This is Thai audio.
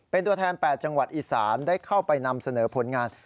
เป็นตัวแทน๘จังหวัดอีสานได้เข้าไปนำเสนอผลงาน